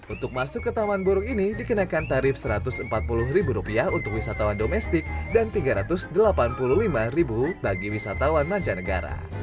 untuk masuk ke taman burung ini dikenakan tarif rp satu ratus empat puluh untuk wisatawan domestik dan rp tiga ratus delapan puluh lima bagi wisatawan mancanegara